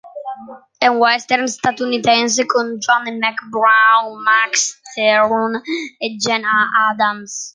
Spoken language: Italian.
È un western statunitense con Johnny Mack Brown, Max Terhune e Jane Adams.